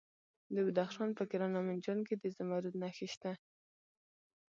د بدخشان په کران او منجان کې د زمرد نښې شته.